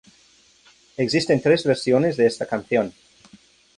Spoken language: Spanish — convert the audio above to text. Existen tres versiones de esta canción.